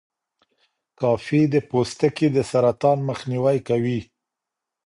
کافي د پوستکي د سرطان مخنیوی کوي.